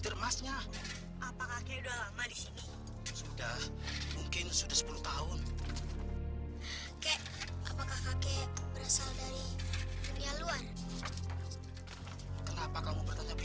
iya dia sangat kejam sekali